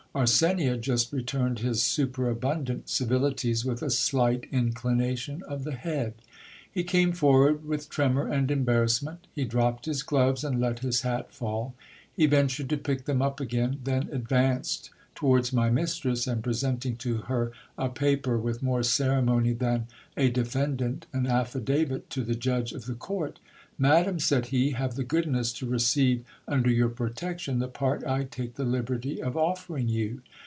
Arsenia just returned his superabundant civilities with a slight inclination of the head. He came forward with tremor and embarrass ment. He dropped his gloves and let his hat fall. He ventured to pick them up again, then advanced towards my mistress, and presenting to her a paper with more ceremony than a defendant an affidavit to the judge of the court — Madam, said he, have the goodness to receive under your protection the part I take the liberty of offering you.